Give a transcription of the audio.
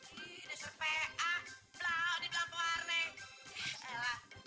ini udah serba belakang ini belakang pewarna